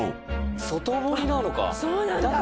外堀なのか。